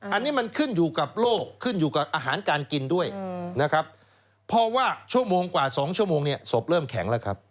อันนี้มันขึ้นอยู่กับโลกขึ้นอยู่กับอาหารการกินด้วยนะครับเพราะว่าชั่วโมงกว่า๒ชั่วโมงเนี่ยศพเริ่มแข็งแล้วครับ